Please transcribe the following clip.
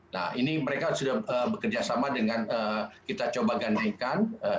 nah ini mereka sudah bekerjasama dengan kita coba gandaikan